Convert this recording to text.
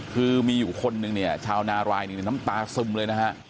คือมีอยู่คนนึงเนี่ยชาวนารายหนึ่งน้ำตาซึมเลยนะฮะ